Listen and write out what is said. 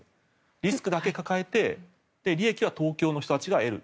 リスクだけ抱えて利益は東京の人たちが得る。